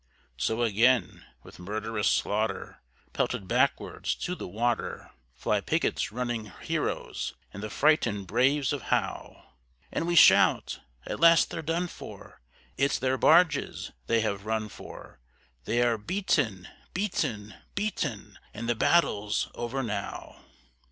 So again, with murderous slaughter, pelted backwards to the water, Fly Pigot's running heroes and the frightened braves of Howe; And we shout, "At last they're done for, it's their barges they have run for: They are beaten, beaten, beaten; and the battle's over now!"